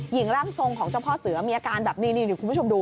หญิงร่างทรงของเจ้าพ่อเสือมีอาการแบบนี้เดี๋ยวคุณผู้ชมดู